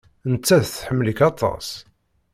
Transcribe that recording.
Nettat tḥemmel-ik aṭas.